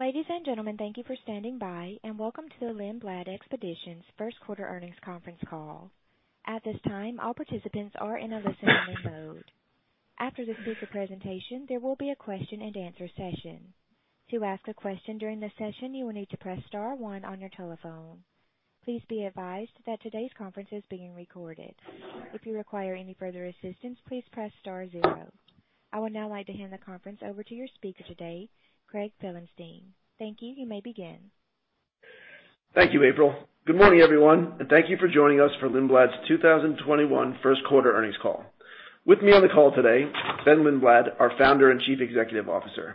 Ladies and gentlemen, thank you for standing by, and welcome to the Lindblad Expeditions first quarter earnings conference call. At this time, all participants are in a listen-only mode. After the speakers' presentation, there will be a question-and-answer session. To ask a question during the session, you will need to press star one on your telephone. Please be advised that today's conference is being recorded. If you require any further assistance, please press star zero. I would now like to hand the conference over to your speaker today, Craig Felenstein. Thank you. You may begin. Thank you, April. Good morning, everyone, and thank you for joining us for Lindblad's 2021 first quarter earnings call. With me on the call today, Sven-Olof Lindblad, our Founder and Chief Executive Officer.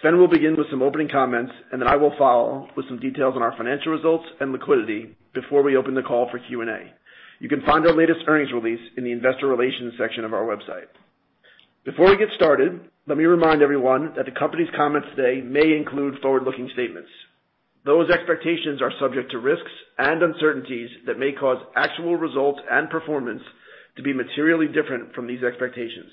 Sven will begin with some opening comments, and then I will follow with some details on our financial results and liquidity before we open the call for Q&A. You can find our latest earnings release in the investor relations section of our website. Before we get started, let me remind everyone that the company's comments today may include forward-looking statements. Those expectations are subject to risks and uncertainties that may cause actual results and performance to be materially different from these expectations.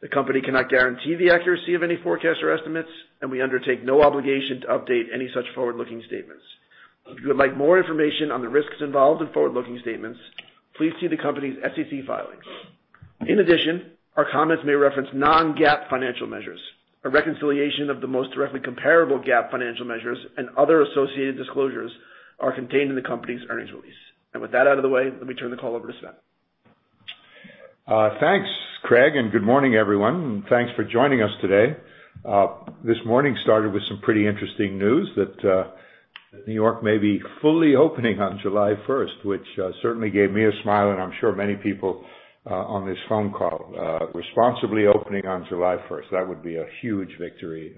The company cannot guarantee the accuracy of any forecasts or estimates, and we undertake no obligation to update any such forward-looking statements. If you would like more information on the risks involved in forward-looking statements, please see the company's SEC filings. In addition, our comments may reference non-GAAP financial measures. A reconciliation of the most directly comparable GAAP financial measures and other associated disclosures are contained in the company's earnings release. With that out of the way, let me turn the call over to Sven. Thanks, Craig. Good morning, everyone. Thanks for joining us today. This morning started with some pretty interesting news that New York may be fully opening on July 1st, which certainly gave me a smile and I'm sure many people on this phone call. Responsibly opening on July 1st. That would be a huge victory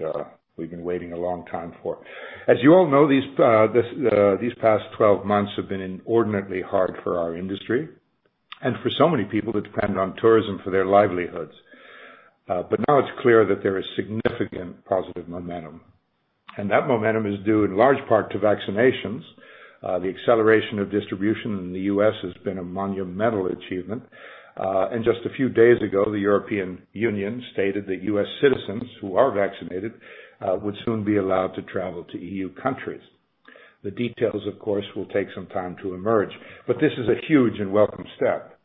that we've been waiting a long time for. As you all know, these past 12 months have been inordinately hard for our industry and for so many people that depend on tourism for their livelihoods. Now, it's clear that there is significant positive momentum, and that momentum is due in large part to vaccinations. The acceleration of distribution in the U.S. has been a monumental achievement. Just a few days ago, the European Union stated that U.S. citizens who are vaccinated would soon be allowed to travel to E.U. countries. The details, of course, will take some time to emerge, but this is a huge and welcome step.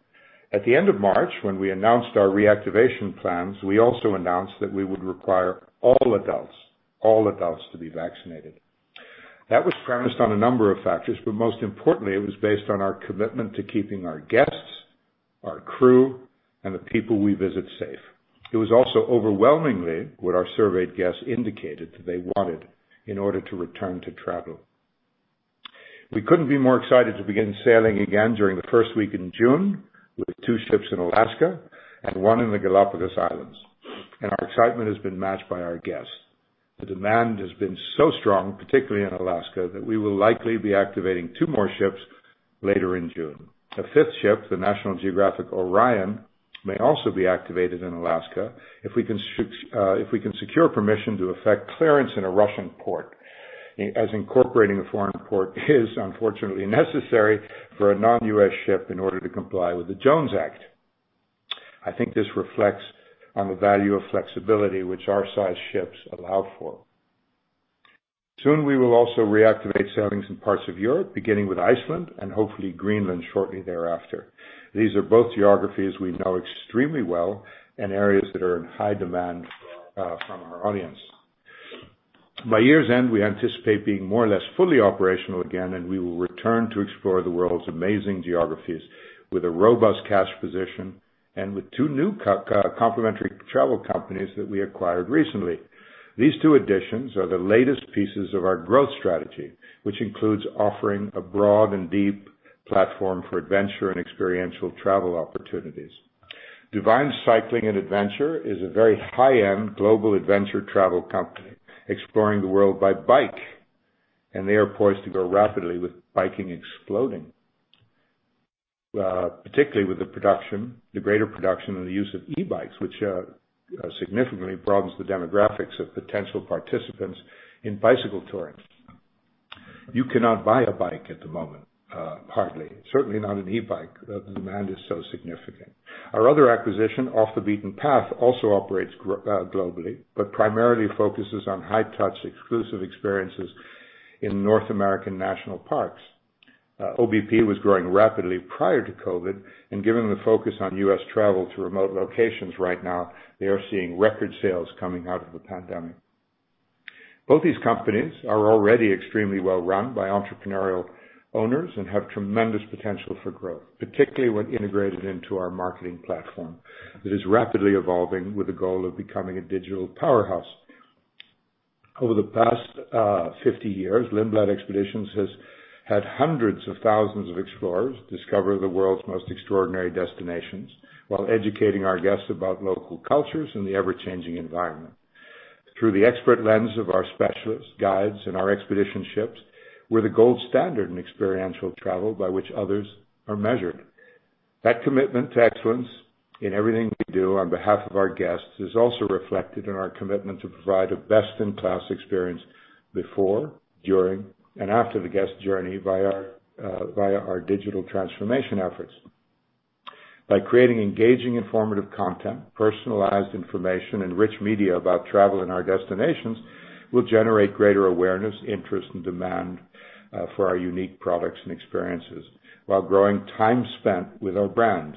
At the end of March, when we announced our reactivation plans, we also announced that we would require all adults to be vaccinated. That was premised on a number of factors, but most importantly, it was based on our commitment to keeping our guests, our crew, and the people we visit safe. It was also overwhelmingly what our surveyed guests indicated that they wanted in order to return to travel. We couldn't be more excited to begin sailing again during the first week in June with two ships in Alaska and one in the Galápagos Islands, and our excitement has been matched by our guests. The demand has been so strong, particularly in Alaska, that we will likely be activating two more ships later in June. A fifth ship, the National Geographic Orion, may also be activated in Alaska if we can secure permission to effect clearance in a Russian port, as incorporating a foreign port is unfortunately necessary for a non-U.S. ship in order to comply with the Jones Act. I think this reflects on the value of flexibility, which our size ships allow for. Soon, we will also reactivate sailings in parts of Europe, beginning with Iceland and hopefully Greenland shortly thereafter. These are both geographies we know extremely well and areas that are in high demand from our audience. By year's end, we anticipate being more or less fully operational again, and we will return to explore the world's amazing geographies with a robust cash position and with two new complimentary travel companies that we acquired recently. These two additions are the latest pieces of our growth strategy, which includes offering a broad and deep platform for adventure and experiential travel opportunities. DuVine Cycling + Adventure is a very high-end global adventure travel company exploring the world by bike, and they are poised to grow rapidly with biking exploding, particularly with the greater production and the use of e-bikes, which significantly broadens the demographics of potential participants in bicycle touring. You cannot buy a bike at the moment, hardly. Certainly not an e-bike. The demand is so significant. Our other acquisition, Off the Beaten Path, also operates globally but primarily focuses on high-touch exclusive experiences in North American national parks. OBP was growing rapidly prior to COVID, and given the focus on U.S. travel to remote locations right now, they are seeing record sales coming out of the pandemic. Both these companies are already extremely well run by entrepreneurial owners and have tremendous potential for growth, particularly when integrated into our marketing platform that is rapidly evolving with the goal of becoming a digital powerhouse. Over the past 50 years, Lindblad Expeditions has had hundreds of thousands of explorers discover the world's most extraordinary destinations while educating our guests about local cultures and the ever-changing environment. Through the expert lens of our specialist guides and our expedition ships, we're the gold standard in experiential travel by which others are measured. That commitment to excellence in everything we do on behalf of our guests is also reflected in our commitment to provide a best-in-class experience before, during, and after the guest journey via our digital transformation efforts. By creating engaging, informative content, personalized information, and rich media about travel and our destinations, we'll generate greater awareness, interest, and demand for our unique products and experiences while growing time spent with our brand.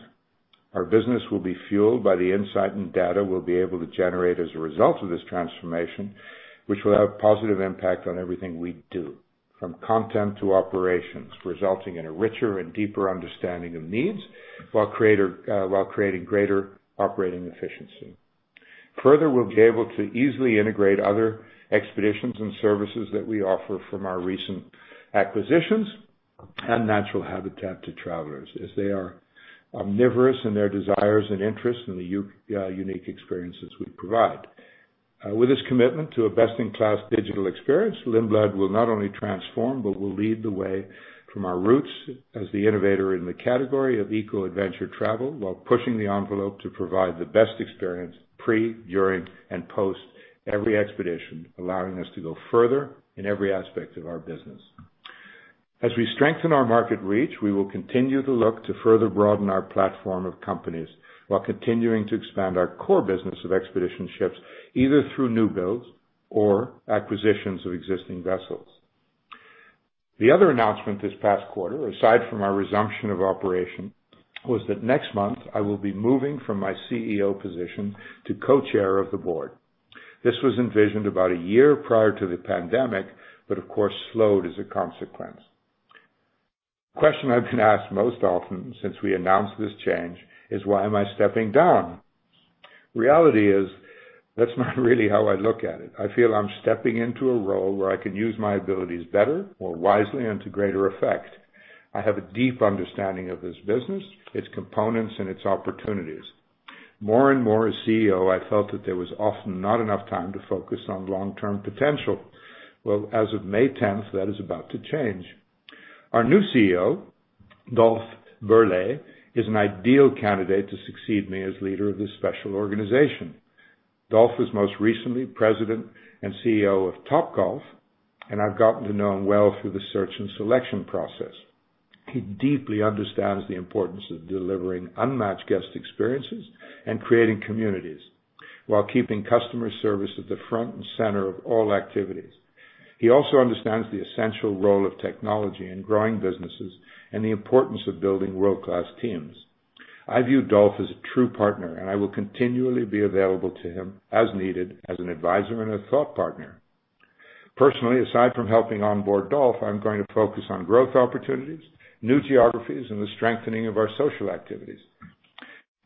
Our business will be fueled by the insight and data we'll be able to generate as a result of this transformation, which will have a positive impact on everything we do, from content to operations, resulting in a richer and deeper understanding of needs while creating greater operating efficiency. Further, we'll be able to easily integrate other expeditions and services that we offer from our recent acquisitions and Natural Habitat to travelers as they are omnivorous in their desires and interests in the unique experiences we provide. With this commitment to a best-in-class digital experience, Lindblad will not only transform but will lead the way from our roots as the innovator in the category of eco-adventure travel, while pushing the envelope to provide the best experience pre, during, and post every expedition, allowing us to go further in every aspect of our business. As we strengthen our market reach, we will continue to look to further broaden our platform of companies while continuing to expand our core business of expedition ships, either through new builds or acquisitions of existing vessels. The other announcement this past quarter, aside from our resumption of operation, was that next month I will be moving from my CEO position to Co-Chair of the Board. This was envisioned about a year prior to the pandemic, but of course slowed as a consequence. Question I've been asked most often since we announced this change is why am I stepping down? Reality is, that's not really how I look at it. I feel I'm stepping into a role where I can use my abilities better, more wisely, and to greater effect. I have a deep understanding of this business, its components, and its opportunities. More and more as CEO, I felt that there was often not enough time to focus on long-term potential. Well, as of May 10th, that is about to change. Our new CEO, Dolf Berle, is an ideal candidate to succeed me as leader of this special organization. Dolf was most recently President and CEO of Topgolf, and I've gotten to know him well through the search and selection process. He deeply understands the importance of delivering unmatched guest experiences and creating communities while keeping customer service at the front and center of all activities. He also understands the essential role of technology in growing businesses and the importance of building world-class teams. I view Dolf as a true partner, and I will continually be available to him as needed as an advisor and a thought partner. Personally, aside from helping onboard Dolf, I'm going to focus on growth opportunities, new geographies, and the strengthening of our social activities.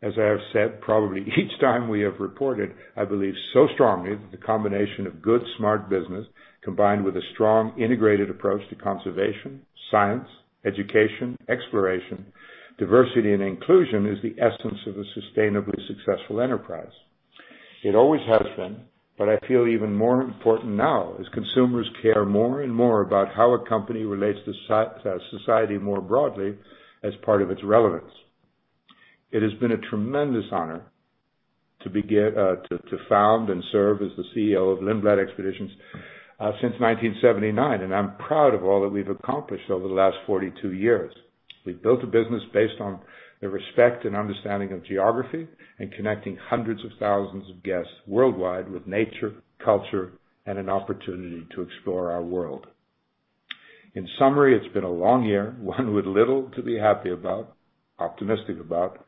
As I have said, probably each time we have reported, I believe so strongly that the combination of good, smart business combined with a strong, integrated approach to conservation, science, education, exploration, diversity, and inclusion is the essence of a sustainably successful enterprise. It always has been, but I feel even more important now as consumers care more and more about how a company relates to society more broadly as part of its relevance. It has been a tremendous honor to found and serve as the CEO of Lindblad Expeditions since 1979, and I'm proud of all that we've accomplished over the last 42 years. We've built a business based on the respect and understanding of geography and connecting hundreds of thousands of guests worldwide with nature, culture, and an opportunity to explore our world. In summary, it's been a long year, one with little to be happy about, optimistic about.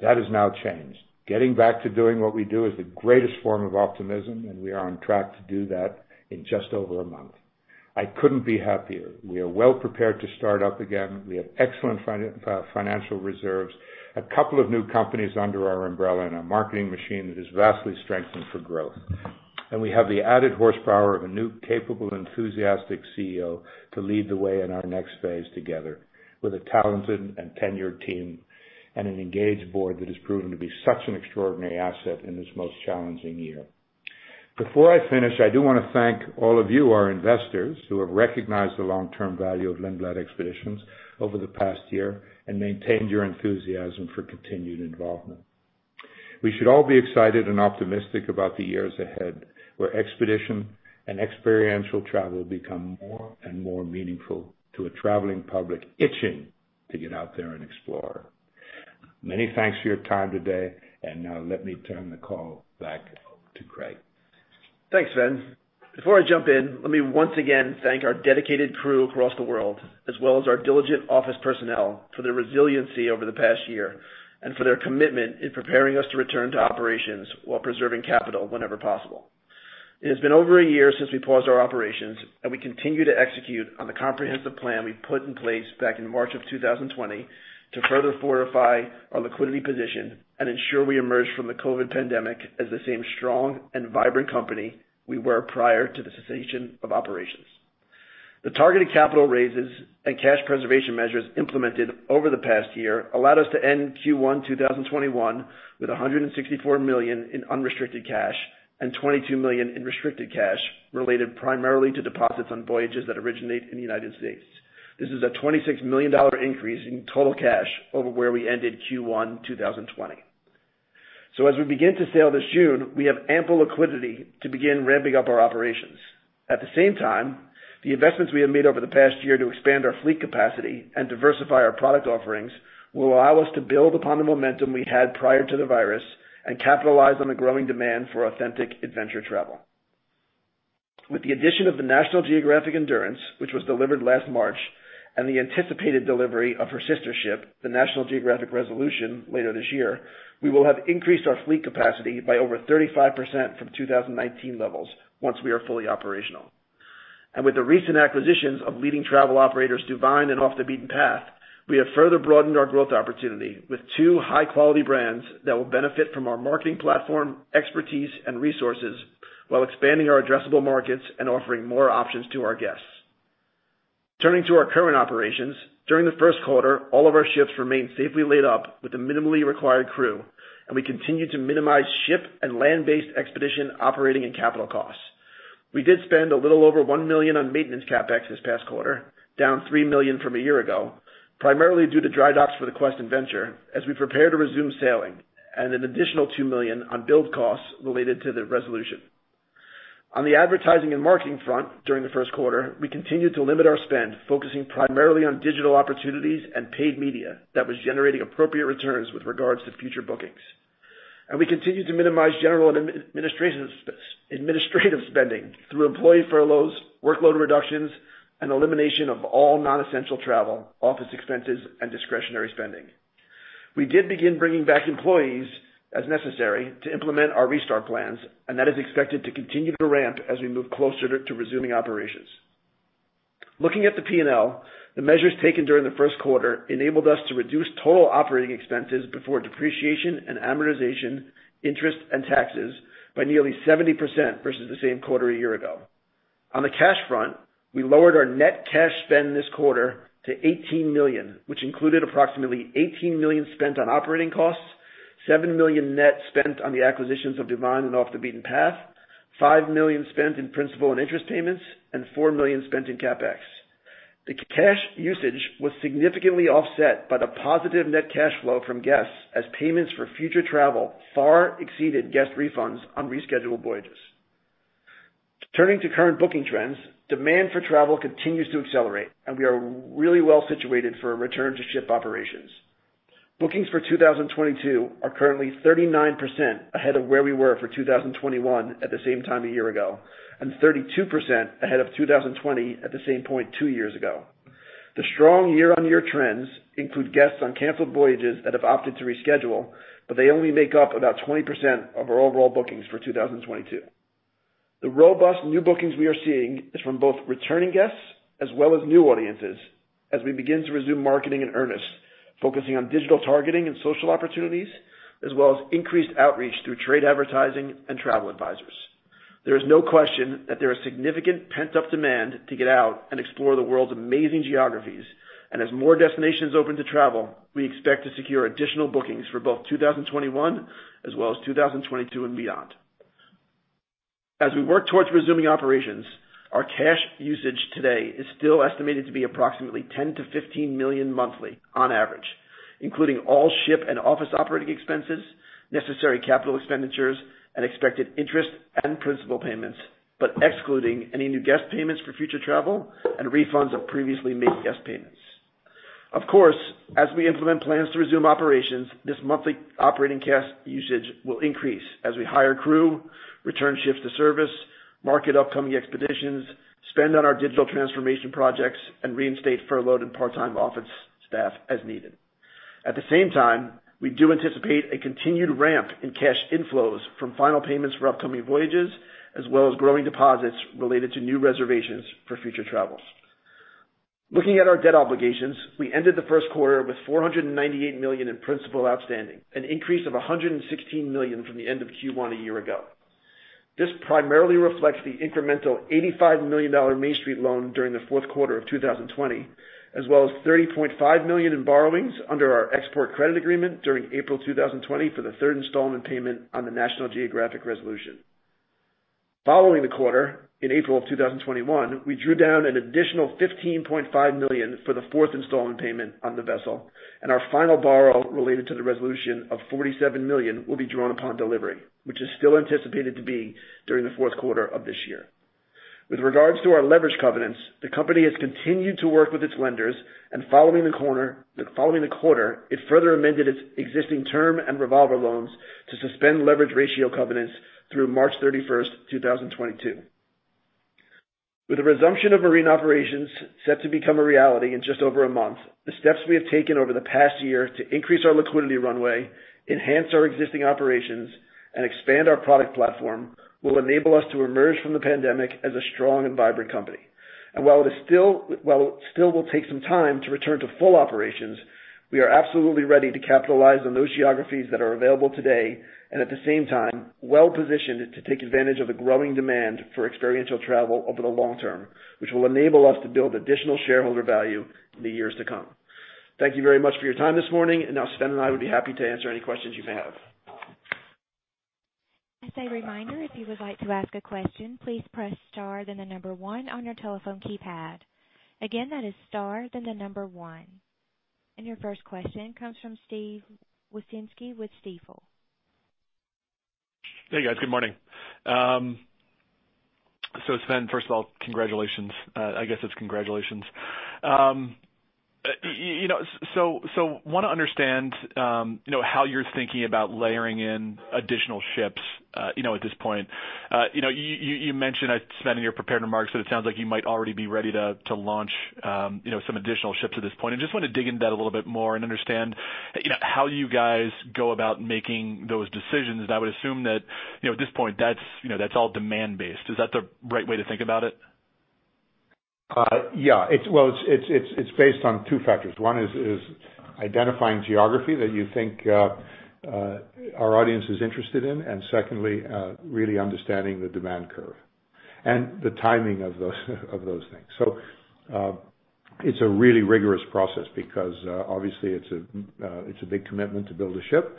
That has now changed. Getting back to doing what we do is the greatest form of optimism, and we are on track to do that in just over a month. I couldn't be happier. We are well prepared to start up again. We have excellent financial reserves, a couple of new companies under our umbrella, and a marketing machine that is vastly strengthened for growth. We have the added horsepower of a new, capable, enthusiastic CEO to lead the way in our next phase together with a talented and tenured team and an engaged board that has proven to be such an extraordinary asset in this most challenging year. Before I finish, I do want to thank all of you, our investors, who have recognized the long-term value of Lindblad Expeditions over the past year and maintained your enthusiasm for continued involvement. We should all be excited and optimistic about the years ahead, where expedition and experiential travel become more and more meaningful to a traveling public itching to get out there and explore. Many thanks for your time today, and now let me turn the call back over to Craig. Thanks, Sven. Before I jump in, let me once again thank our dedicated crew across the world, as well as our diligent office personnel, for their resiliency over the past year and for their commitment in preparing us to return to operations while preserving capital whenever possible. It has been over a year since we paused our operations. We continue to execute on the comprehensive plan we put in place back in March of 2020 to further fortify our liquidity position and ensure we emerge from the COVID pandemic as the same strong and vibrant company we were prior to the cessation of operations. The targeted capital raises and cash preservation measures implemented over the past year allowed us to end Q1 2021 with $164 million in unrestricted cash and $22 million in restricted cash related primarily to deposits on voyages that originate in the United States. This is a $26 million increase in total cash over where we ended Q1 2020. As we begin to sail this June, we have ample liquidity to begin ramping up our operations. At the same time, the investments we have made over the past year to expand our fleet capacity and diversify our product offerings will allow us to build upon the momentum we had prior to the virus and capitalize on the growing demand for authentic adventure travel. With the addition of the National Geographic Endurance, which was delivered last March, and the anticipated delivery of her sister ship, the National Geographic Resolution, later this year, we will have increased our fleet capacity by over 35% from 2019 levels once we are fully operational. With the recent acquisitions of leading travel operators, DuVine and Off the Beaten Path, we have further broadened our growth opportunity with two high-quality brands that will benefit from our marketing platform, expertise, and resources while expanding our addressable markets and offering more options to our guests. Turning to our current operations, during the first quarter, all of our ships remained safely laid up with the minimally required crew, and we continued to minimize ship and land-based expedition operating and capital costs. We did spend a little over $1 million on maintenance CapEx this past quarter, down $3 million from a year ago, primarily due to dry docks for the Quest and Venture as we prepare to resume sailing, and an additional $2 million on build costs related to the Resolution. On the advertising and marketing front during the first quarter, we continued to limit our spend, focusing primarily on digital opportunities and paid media that was generating appropriate returns with regards to future bookings. We continued to minimize general and administrative spending through employee furloughs, workload reductions, and elimination of all non-essential travel, office expenses, and discretionary spending. We did begin bringing back employees as necessary to implement our restart plans, and that is expected to continue to ramp as we move closer to resuming operations. Looking at the P&L, the measures taken during the first quarter enabled us to reduce total operating expenses before depreciation and amortization, interest, and taxes by nearly 70% versus the same quarter a year ago. On the cash front, we lowered our net cash spend this quarter to $18 million, which included approximately $18 million spent on operating costs, $7 million net spent on the acquisitions of DuVine and Off the Beaten Path, $5 million spent in principal and interest payments, and $4 million spent in CapEx. The cash usage was significantly offset by the positive net cash flow from guests as payments for future travel far exceeded guest refunds on rescheduled voyages. Turning to current booking trends, demand for travel continues to accelerate, and we are really well situated for a return to ship operations. Bookings for 2022 are currently 39% ahead of where we were for 2021 at the same time a year ago, and 32% ahead of 2020 at the same point two years ago. The strong year-on-year trends include guests on canceled voyages that have opted to reschedule, but they only make up about 20% of our overall bookings for 2022. The robust new bookings we are seeing is from both returning guests as well as new audiences as we begin to resume marketing in earnest, focusing on digital targeting and social opportunities, as well as increased outreach through trade advertising and travel advisors. There is no question that there is significant pent-up demand to get out and explore the world's amazing geographies. As more destinations open to travel, we expect to secure additional bookings for both 2021 as well as 2022 and beyond. As we work towards resuming operations, our cash usage today is still estimated to be approximately $10 million-$15 million monthly on average, including all ship and office operating expenses, necessary capital expenditures, and expected interest and principal payments, but excluding any new guest payments for future travel and refunds of previously made guest payments. Of course, as we implement plans to resume operations, this monthly operating cash usage will increase as we hire crew, return ships to service, market upcoming expeditions, spend on our digital transformation projects, and reinstate furloughed and part-time office staff as needed. At the same time, we do anticipate a continued ramp in cash inflows from final payments for upcoming voyages, as well as growing deposits related to new reservations for future travels. Looking at our debt obligations, we ended the first quarter with $498 million in principal outstanding, an increase of $116 million from the end of Q1 a year ago. This primarily reflects the incremental $85 million Main Street loan during the fourth quarter of 2020, as well as $30.5 million in borrowings under our export credit agreement during April 2020 for the third installment payment on the National Geographic Resolution. Following the quarter in April of 2021, we drew down an additional $15.5 million for the fourth installment payment on the vessel, and our final borrow related to the Resolution of $47 million will be drawn upon delivery, which is still anticipated to be during the fourth quarter of this year. With regards to our leverage covenants, the company has continued to work with its lenders, and following the quarter, it further amended its existing term and revolver loans to suspend leverage ratio covenants through March 31st, 2022. With the resumption of marine operations set to become a reality in just over a month, the steps we have taken over the past year to increase our liquidity runway, enhance our existing operations, and expand our product platform will enable us to emerge from the pandemic as a strong and vibrant company. While it still will take some time to return to full operations, we are absolutely ready to capitalize on those geographies that are available today and, at the same time, well-positioned to take advantage of the growing demand for experiential travel over the long term, which will enable us to build additional shareholder value in the years to come. Thank you very much for your time this morning, and now Sven and I would be happy to answer any questions you may have. As a reminder, if you would like to ask a question, please press star then the number one on your telephone keypad. Again, that is star then the number one. Your first question comes from Steve Wieczynski with Stifel. Hey, guys. Good morning. Sven, first of all, congratulations. I guess it's congratulations. Want to understand how you're thinking about layering in additional ships at this point. You mentioned, Sven, in your prepared remarks that it sounds like you might already be ready to launch some additional ships at this point. I just want to dig into that a little bit more and understand how you guys go about making those decisions. I would assume that, at this point that's all demand-based. Is that the right way to think about it? Well, it's based on two factors. One is identifying geography that you think our audience is interested in, and secondly, really understanding the demand curve and the timing of those things. It's a really rigorous process, because, obviously, it's a big commitment to build a ship,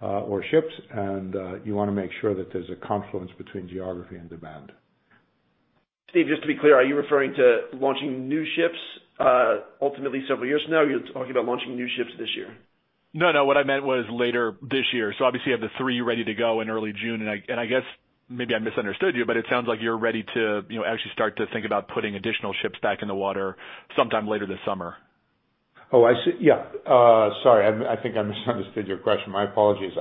or ships, and you want to make sure that there's a confluence between geography and demand. Steve, just to be clear, are you referring to launching new ships ultimately several years from now, or you're talking about launching new ships this year? No, what I meant was later this year. Obviously you have the three ready to go in early June, and I guess maybe I misunderstood you, but it sounds like you're ready to actually start to think about putting additional ships back in the water sometime later this summer. Oh, I see. Sorry, I think I misunderstood your question. My apologies.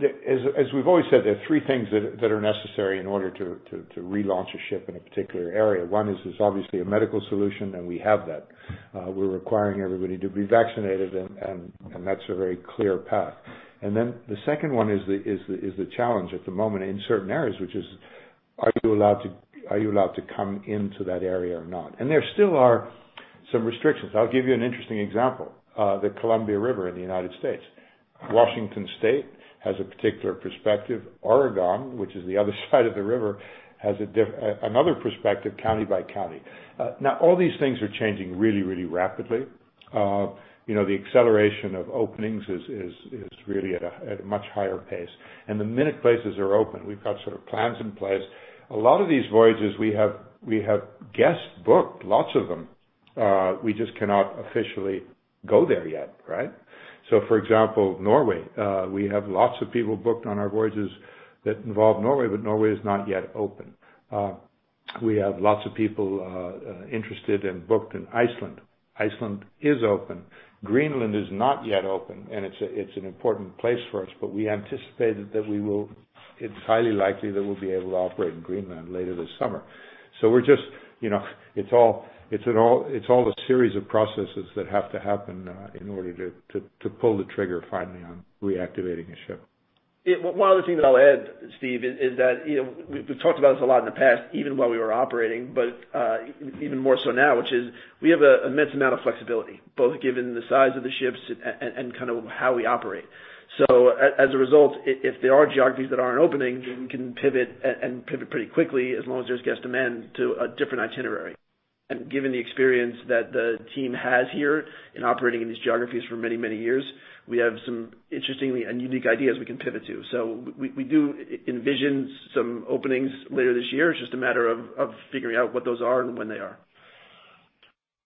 As we've always said, there are three things that are necessary in order to relaunch a ship in a particular area. One is obviously a medical solution, and we have that. We're requiring everybody to be vaccinated, and that's a very clear path. The second one is the challenge at the moment in certain areas, which is, are you allowed to come into that area or not? There still are some restrictions. I'll give you an interesting example. The Columbia River in the U.S. Washington State has a particular perspective. Oregon, which is the other side of the river, has another perspective county by county. Now, all these things are changing really rapidly. The acceleration of openings is really at a much higher pace, and the minute places are open, we've got sort of plans in place. A lot of these voyages, we have guests booked, lots of them. We just cannot officially go there yet. For example, Norway, we have lots of people booked on our voyages that involve Norway, but Norway is not yet open. We have lots of people interested and booked in Iceland. Iceland is open. Greenland is not yet open, and it's an important place for us, but we anticipate that it's highly likely that we'll be able to operate in Greenland later this summer. It's all a series of processes that have to happen in order to pull the trigger finally on reactivating a ship. One other thing that I'll add, Steve, is that we've talked about this a lot in the past, even while we were operating, but even more so now, which is we have an immense amount of flexibility, both given the size of the ships and how we operate. As a result, if there are geographies that aren't opening, we can pivot and pivot pretty quickly as long as there's guest demand to a different itinerary. Given the experience that the team has here in operating in these geographies for many years, we have some interestingly and unique ideas we can pivot to. We do envision some openings later this year. It's just a matter of figuring out what those are and when they are.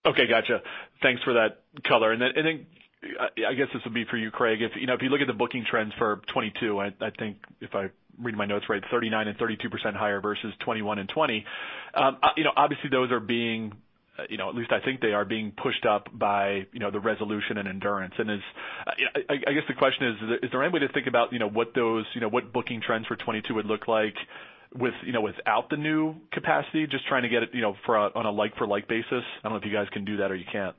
Okay. Gotcha. Thanks for that color. I guess this will be for you, Craig. If you look at the booking trends for 2022, I think if I read my notes right, 39% and 32% higher versus 2021 and 2020. Obviously those are being, at least I think they are being pushed up by the Resolution and Endurance. I guess the question is there any way to think about what booking trends for 2022 would look like without the new capacity? Just trying to get it on a like-for-like basis. I don't know if you guys can do that or you can't.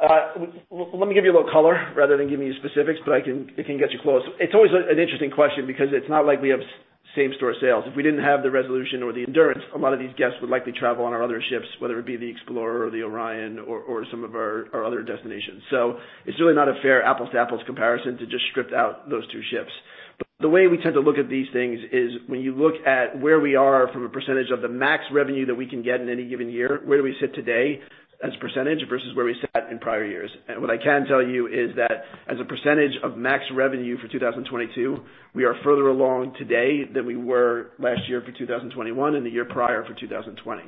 Let me give you a little color rather than giving you specifics, I can get you close. It's always an interesting question because it's not like we have same-store sales. If we didn't have the Resolution or the Endurance, a lot of these guests would likely travel on our other ships, whether it be the Explorer or the Orion or some of our other destinations. It's really not a fair apples-to-apples comparison to just strip out those two ships. The way we tend to look at these things is when you look at where we are from a percentage of the max revenue that we can get in any given year, where do we sit today as a percentage versus where we sat in prior years. What I can tell you is that as a percentage of max revenue for 2022, we are further along today than we were last year for 2021 and the year prior for 2020.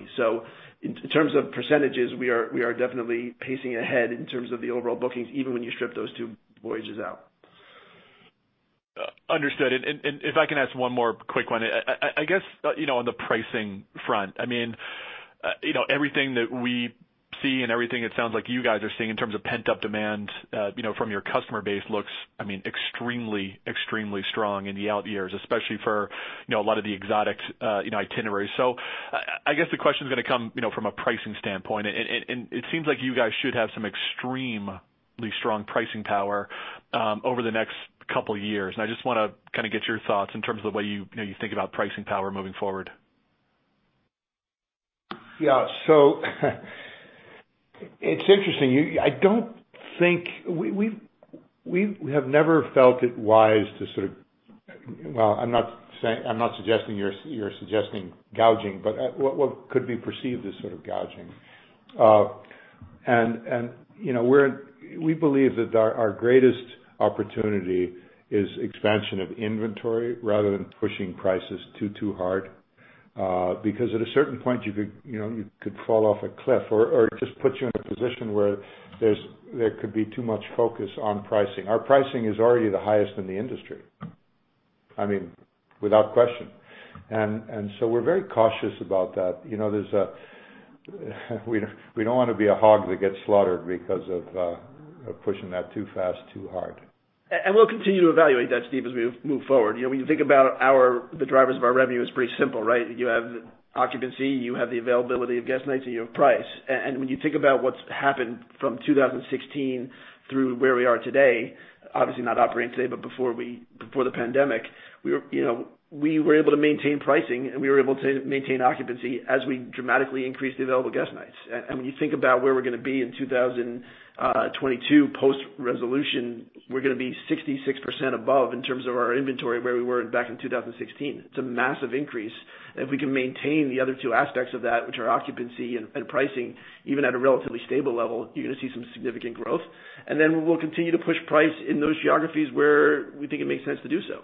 In terms of percentages, we are definitely pacing ahead in terms of the overall bookings, even when you strip those two voyages out. Understood. If I can ask one more quick one. I guess, on the pricing front, everything that we see and everything it sounds like you guys are seeing in terms of pent-up demand from your customer base looks extremely strong in the out years, especially for a lot of the exotic itineraries. I guess the question's going to come from a pricing standpoint, and it seems like you guys should have some extremely strong pricing power over the next couple of years. I just want to get your thoughts in terms of the way you think about pricing power moving forward. It's interesting. We have never felt it wise to—Well, I'm not suggesting you're suggesting gouging, but what could be perceived as sort of gouging. We believe that our greatest opportunity is expansion of inventory rather than pushing prices too hard. Because at a certain point, you could fall off a cliff or it just puts you in a position where there could be too much focus on pricing. Our pricing is already the highest in the industry, without question. We're very cautious about that. We don't want to be a hog that gets slaughtered because of pushing that too fast, too hard. We'll continue to evaluate that, Steve, as we move forward. When you think about the drivers of our revenue, it's pretty simple. You have the occupancy, you have the availability of guest nights, and you have price. When you think about what's happened from 2016 through where we are today, obviously not operating today, but before the pandemic, we were able to maintain pricing, and we were able to maintain occupancy as we dramatically increased the available guest nights. When you think about where we're going to be in 2022, post-Resolution, we're going to be 66% above in terms of our inventory where we were back in 2016. It's a massive increase. If we can maintain the other two aspects of that, which are occupancy and pricing, even at a relatively stable level, you're going to see some significant growth. Then we'll continue to push price in those geographies where we think it makes sense to do so.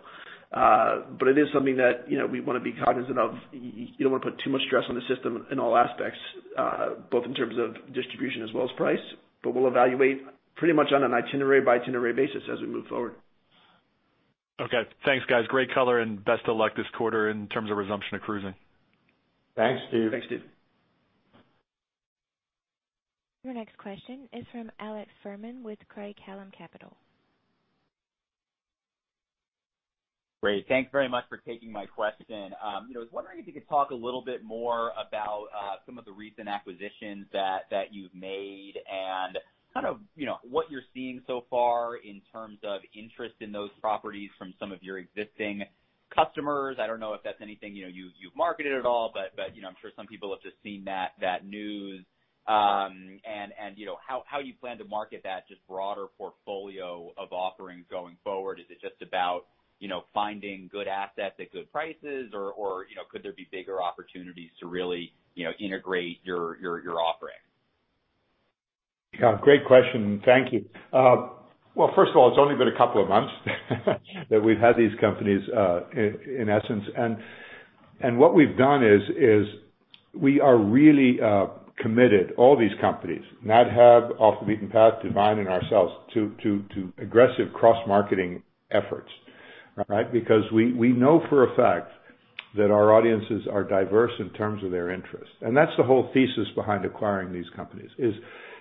It is something that we want to be cognizant of. You don't want to put too much stress on the system in all aspects, both in terms of distribution as well as price, but we'll evaluate pretty much on an itinerary-by-itinerary basis as we move forward. Okay. Thanks, guys. Great color and best of luck this quarter in terms of resumption of cruising. Thanks, Steve. Thanks, Steve. Your next question is from Alex Fuhrman with Craig-Hallum Capital. Great. Thanks very much for taking my question. I was wondering if you could talk a little bit more about some of the recent acquisitions that you've made and what you're seeing so far in terms of interest in those properties from some of your existing customers. I don't know if that's anything you've marketed at all, but I'm sure some people have just seen that news. How you plan to market that just broader portfolio of offerings going forward? Is it just about finding good assets at good prices or could there be bigger opportunities to really integrate your offerings? Great question. Thank you. Well, first of all, it's only been a couple of months that we've had these companies, in essence. What we've done is we are really committed, all these companies, Natural Habitat, Off the Beaten Path, DuVine, and ourselves, to aggressive cross-marketing efforts. We know for a fact that our audiences are diverse in terms of their interests. That's the whole thesis behind acquiring these companies.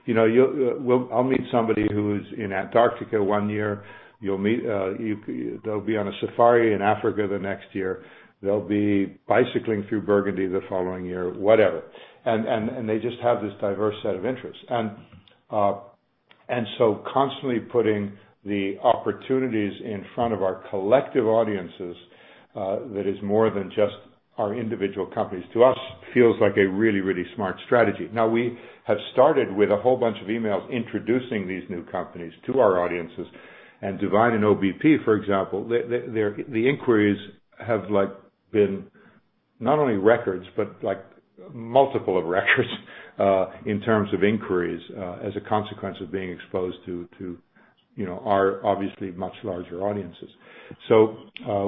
I'll meet somebody who's in Antarctica one year. They'll be on a safari in Africa the next year. They'll be bicycling through Burgundy the following year, whatever. They just have this diverse set of interests. Constantly putting the opportunities in front of our collective audiences, that is more than just our individual companies, to us, feels like a really smart strategy. We have started with a whole bunch of emails introducing these new companies to our audiences, DuVine and OBP, for example, the inquiries have been not only records, but multiple of records in terms of inquiries as a consequence of being exposed to our obviously much larger audiences.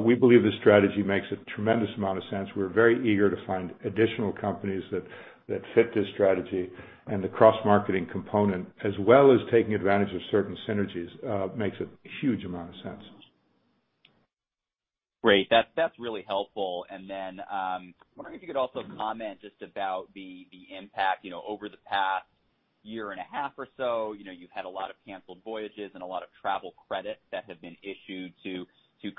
We believe this strategy makes a tremendous amount of sense. We're very eager to find additional companies that fit this strategy and the cross-marketing component as well as taking advantage of certain synergies makes a huge amount of sense. Great. That's really helpful. I'm wondering if you could also comment just about the impact over the past year and a half or so. You've had a lot of canceled voyages and a lot of travel credits that have been issued to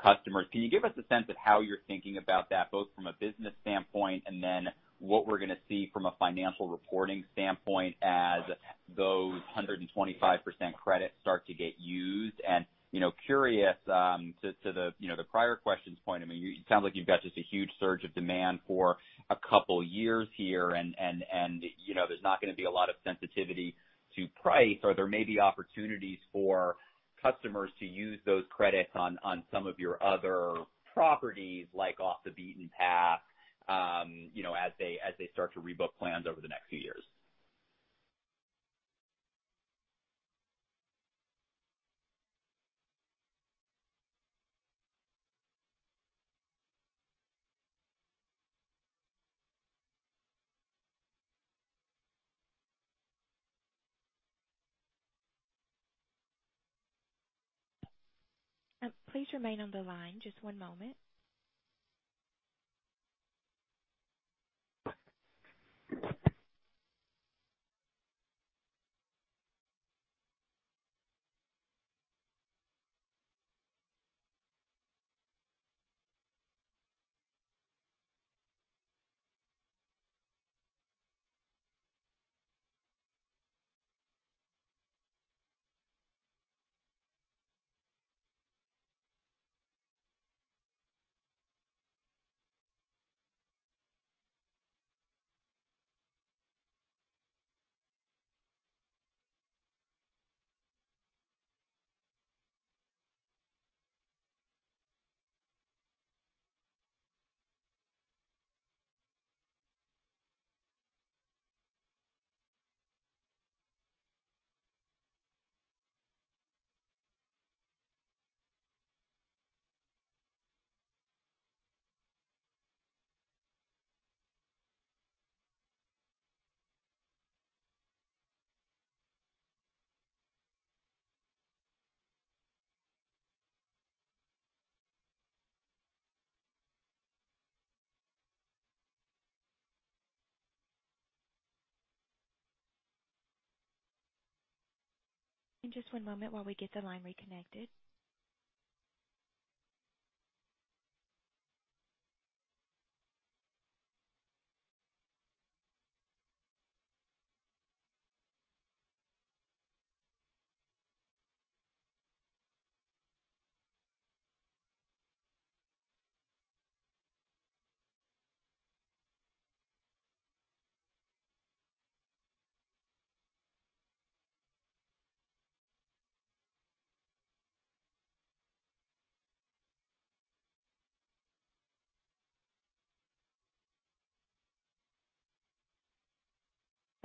customers. Can you give us a sense of how you're thinking about that, both from a business standpoint, and then what we're going to see from a financial reporting standpoint as those 125% credits start to get used? Curious to the prior question's point, it sounds like you've got just a huge surge of demand for a couple of years here, and there's not going to be a lot of sensitivity to price, or there may be opportunities for customers to use those credits on some of your other properties, like Off the Beaten Path, as they start to rebook plans over the next few years. Please remain on the line for one moment.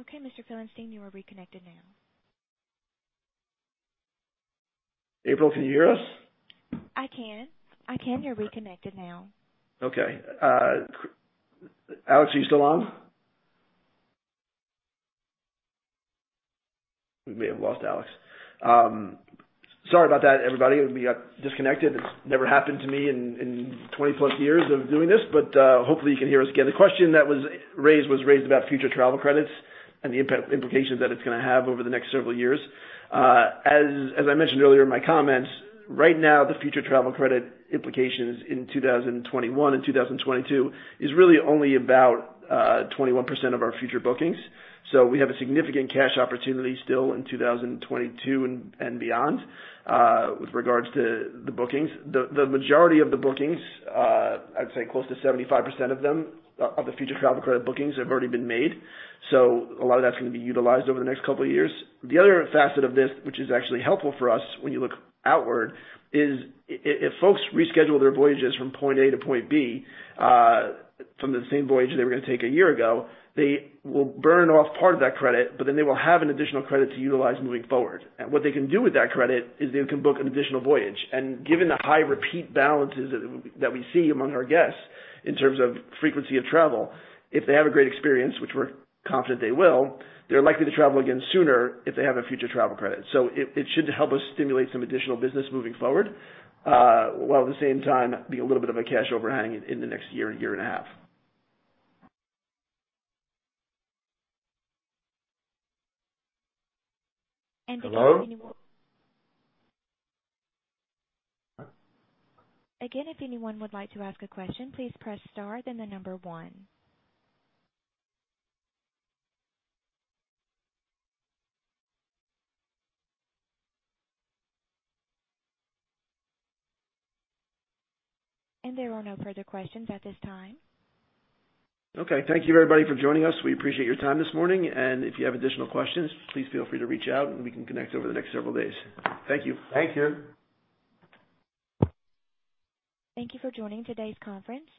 Okay, Mr. Felenstein, you are reconnected now. April, can you hear us? I can. You're reconnected now. Okay. Alex, are you still on? We may have lost Alex. Sorry about that, everybody. We got disconnected. It's never happened to me in 20+ years of doing this, hopefully you can hear us again. The question that was raised about future travel credits and the implications that it's going to have over the next several years. As I mentioned earlier in my comments, right now the future travel credit implications in 2021 and 2022 is really only about 21% of our future bookings. We have a significant cash opportunity still in 2022 and beyond with regards to the bookings. The majority of the bookings, I'd say close to 75% of them, of the future travel credit bookings have already been made. A lot of that's going to be utilized over the next couple of years. The other facet of this, which is actually helpful for us when you look outward, is if folks reschedule their voyages from point A to point B from the same voyage they were going to take a year ago, they will burn off part of that credit, they will have an additional credit to utilize moving forward. What they can do with that credit is they can book an additional voyage. Given the high repeat balances that we see among our guests in terms of frequency of travel, if they have a great experience, which we're confident they will, they're likely to travel again sooner if they have a future travel credit. It should help us stimulate some additional business moving forward, while at the same time be a little bit of a cash overhang in the next year and a half. Hello? Again, if anyone would like to ask a question, please press star, then the number one. There are no further questions at this time. Okay. Thank you, everybody, for joining us. We appreciate your time this morning, and if you have additional questions, please feel free to reach out, and we can connect over the next several days. Thank you. Thank you. Thank you for joining today's conference.